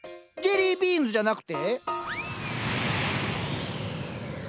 ジェリービーンズじゃなくて？